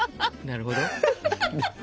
なるほど。